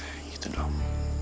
ya gitu doang